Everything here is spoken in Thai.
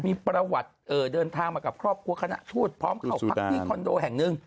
มีประวัติเดินทางมากับครอบครัวคณะทูตพร้อมเข้าพักที่คอนโดแห่งหนึ่ง